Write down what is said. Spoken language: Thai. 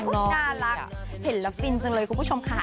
น่ารักเห็นแล้วฟินจังเลยคุณผู้ชมค่ะ